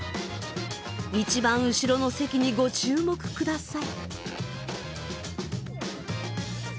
一番後ろの席にご注目ください。